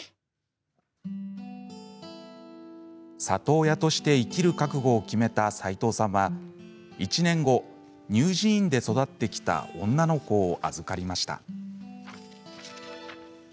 里親として生きる覚悟を決めた齋藤さんは１年後、乳児院で育ってきた女の子を預かりました。